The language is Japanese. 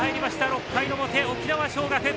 ６回の表沖縄尚学。